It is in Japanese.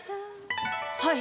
はい。